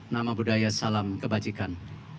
nama budaya salam kebajikan